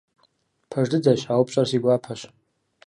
Пэж дыдэщ, а упщӀэр си гуапэщ.